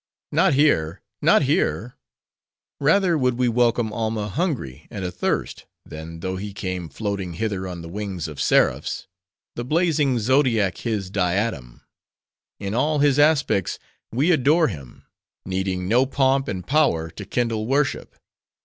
"Not here, not here! Rather would we welcome Alma hungry and athirst, than though he came floating hither on the wings of seraphs; the blazing zodiac his diadem! In all his aspects we adore him; needing no pomp and power to kindle worship.